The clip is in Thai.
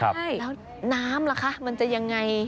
ใช่แล้วน้ำล่ะคะมันจะยังไง